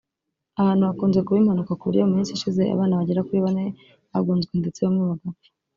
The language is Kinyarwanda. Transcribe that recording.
Aha hantu hakunze kuba impanuka ku buryo mu minsi ishize abana bagera kuri bane bagonzwe ndetse bamwe bagapfa